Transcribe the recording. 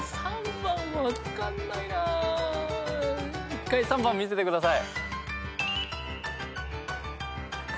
１回３番見せてください。